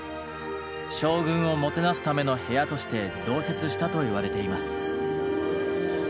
将軍をもてなすための部屋として増設したといわれています。